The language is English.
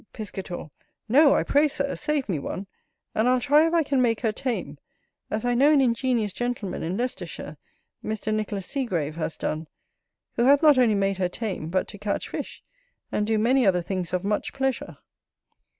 Piscator. No: I pray, Sir, save me one, and I'll try if I can make her tame, as I know an ingenious gentleman in Leicestershire, Mr. Nich. Segrave, has done; who hath not only made her tame, but to catch fish, and do many other things of much pleasure.